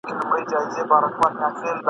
خاوري کېږې دا منمه خو د روح مطلب بل څه دی ..